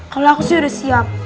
kalau aku sih udah siap